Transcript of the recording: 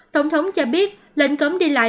tổng thống cho biết lệnh cấm đi lại